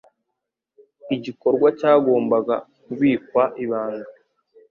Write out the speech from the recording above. Igikorwa cyagombaga kubikwa ibanga.